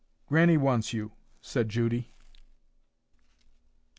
"Grannie wants you," said Judy.